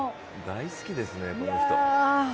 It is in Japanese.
大好きですね、この人。